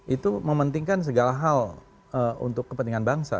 itu mementingkan segala hal untuk kepentingan bangsa